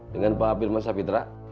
dengan pak pirman safitra